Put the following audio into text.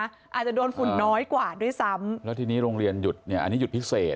อาจจะโดนฝุ่นน้อยกว่าด้วยซ้ำแล้วทีนี้โรงเรียนหยุดเนี่ยอันนี้หยุดพิเศษ